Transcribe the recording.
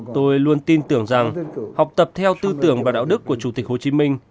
tôi luôn tin tưởng rằng học tập theo tư tưởng và đạo đức của chủ tịch hồ chí minh